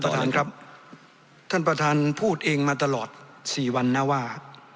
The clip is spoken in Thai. ท่านครับท่านประธานพูดเองมาตลอดสี่วันนะว่า